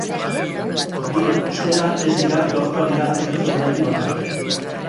Horiek, ostera, ez dira gaurkoan iragarritako emanaldi bakarrak.